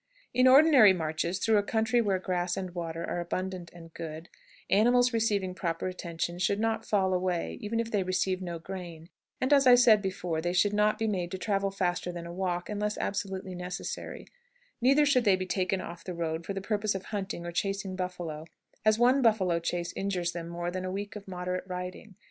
In ordinary marches through a country where grass and water are abundant and good, animals receiving proper attention should not fall away, even if they receive no grain; and, as I said before, they should not be made to travel faster than a walk unless absolutely necessary; neither should they be taken off the road for the purpose of hunting or chasing buffalo, as one buffalo chase injures them more than a week of moderate riding.